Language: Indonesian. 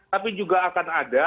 tapi juga akan ada